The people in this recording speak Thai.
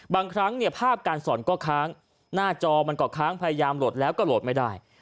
บางครั้งเนี่ยภาพการสอนก็ค้างหน้าจอมันก็ค้างพยายามโหลดแล้วก็โหลดไม่ได้